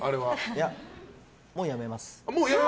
いや、もうやめます。